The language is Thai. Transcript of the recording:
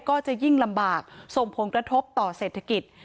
ก็จะยิ่งลำบากส่งผลกระทบต่อเศรษฐกิจ